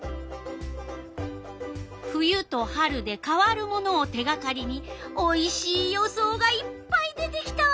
冬と春で変わるものを手がかりにおいしい予想がいっぱい出てきたわ。